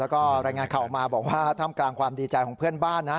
แล้วก็รายงานข่าวออกมาบอกว่าท่ามกลางความดีใจของเพื่อนบ้านนะ